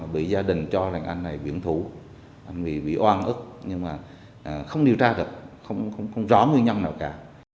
bị gia đình cho anh này biển thủ bị oan ức nhưng mà không điều tra được không rõ nguyên nhân nào cả